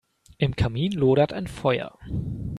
Im Kamin lodert ein Feuer.